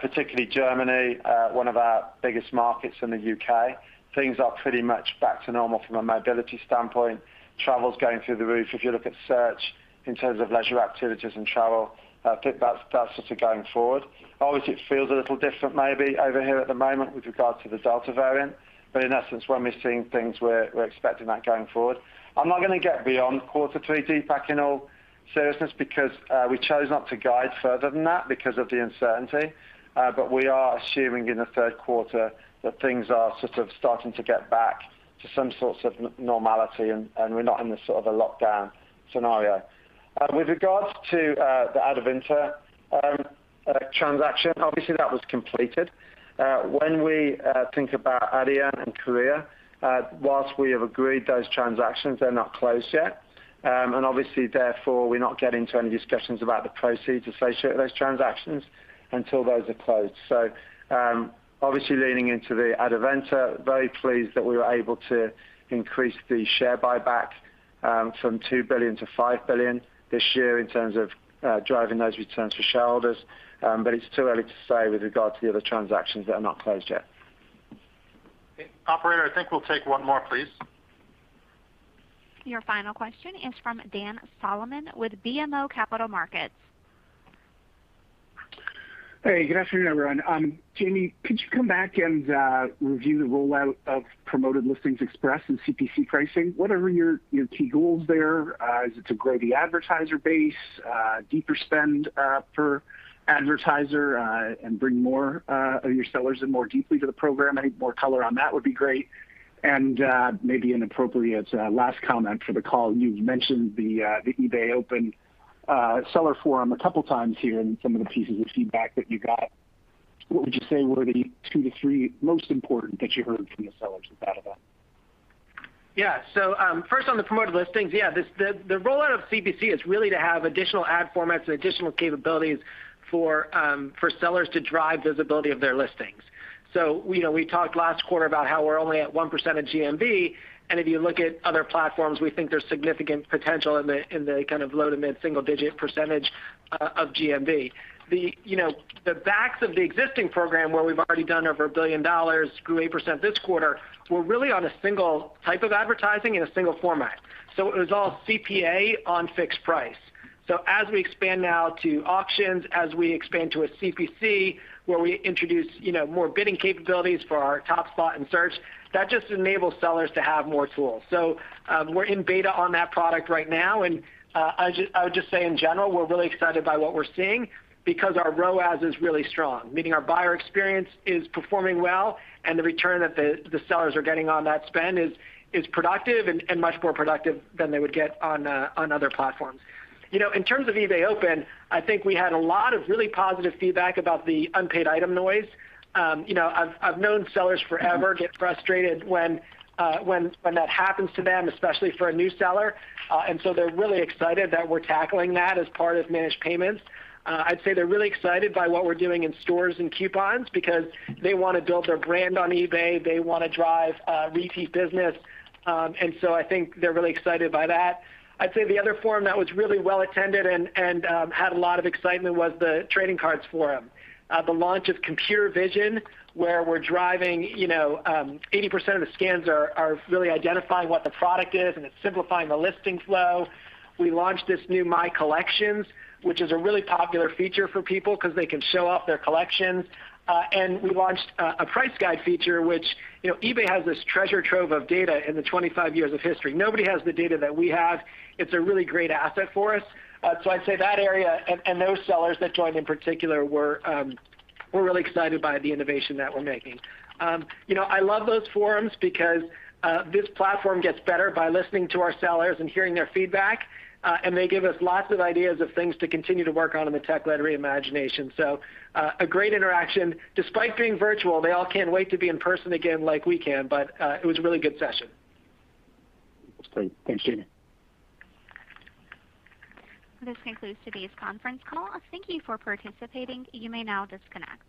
particularly Germany, one of our biggest markets in the U.K., things are pretty much back to normal from a mobility standpoint. Travel's going through the roof. If you look at search in terms of leisure activities and travel, I think that's sort of going forward. It feels a little different maybe over here at the moment with regards to the Delta variant, but in essence, when we're seeing things, we're expecting that going forward. I'm not gonna get beyond quarter three, Deepak, in all seriousness, because we chose not to guide further than that because of the uncertainty. We are assuming in the third quarter that things are sort of starting to get back to some sorts of normality and we're not in the sort of a lockdown scenario. With regards to the Adevinta transaction, that was completed. When we think about Adyen and Korea, whilst we have agreed those transactions, they're not closed yet. Therefore, we're not getting to any discussions about the proceeds associated with those transactions until those are closed. Obviously leaning into the Adevinta, very pleased that we were able to increase the share buyback from $2 billion-$5 billion this year in terms of driving those returns for shareholders. It's too early to say with regard to the other transactions that are not closed yet. Okay. Operator, I think we'll take one more, please. Your final question is from Dan Salmon with BMO Capital Markets. Hey, good afternoon, everyone. Jamie, could you come back and review the rollout of Promoted Listings Express and CPC pricing? What are your key goals there? Is it to grow the advertiser base, deeper spend per advertiser, and bring more your sellers in more deeply to the program? Any more color on that would be great. Maybe an appropriate last comment for the call. You've mentioned the eBay Open seller forum a couple times here in some of the pieces of feedback that you got. What would you say were the two to three most important that you heard from the sellers at that event? First on the Promoted Listings. The rollout of CPC is really to have additional ad formats and additional capabilities for sellers to drive visibility of their listings. You know, we talked last quarter about how we're only at 1% of GMV, and if you look at other platforms, we think there's significant potential in the, in the kind of low to mid-single digit percentage of GMV. You know, the backs of the existing program where we've already done over $1 billion, grew 8% this quarter, we're really on a single type of advertising in a single format. It was all CPA on fixed price. As we expand now to auctions, as we expand to a CPC, where we introduce, you know, more bidding capabilities for our top spot in search, that just enables sellers to have more tools. We're in beta on that product right now, and in general, we're really excited by what we're seeing because our ROAS is really strong, meaning our buyer experience is performing well, and the return that the sellers are getting on that spend is productive and much more productive than they would get on other platforms. You know, in terms of eBay Open, I think we had a lot of really positive feedback about the unpaid item noise. You know, I've known sellers forever get frustrated when that happens to them, especially for a new seller. They're really excited that we're tackling that as part of Managed Payments. I'd say they're really excited by what we're doing in stores and coupons because they wanna build their brand on eBay. They wanna drive repeat business. I think they're really excited by that. I'd say the other forum that was really well attended and had a lot of excitement was the trading cards forum. The launch of computer vision, where we're driving, you know, 80% of the scans are really identifying what the product is, and it's simplifying the listing flow. We launched this new My Collection, which is a really popular feature for people because they can show off their collections. We launched a price guide feature, which, you know, eBay has this treasure trove of data in the 25 years of history. Nobody has the data that we have. It's a really great asset for us. I'd say that area and those sellers that joined in particular were really excited by the innovation that we're making. You know, I love those forums because this platform gets better by listening to our sellers and hearing their feedback, and they give us lots of ideas of things to continue to work on in the tech-led reimagination. A great interaction. Despite being virtual, they all can't wait to be in person again like we can, it was a really good session. Great. Thanks, Jamie. This concludes today's conference call. Thank you for participating. You may now disconnect.